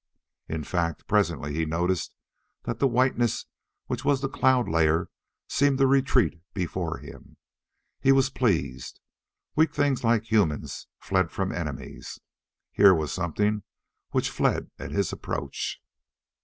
In fact, presently he noticed that the whiteness which was the cloud layer seemed to retreat before him. He was pleased. Weak things like humans fled from enemies. Here was something which fled at his approach!